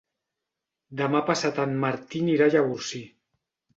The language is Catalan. Demà passat en Martí anirà a Llavorsí.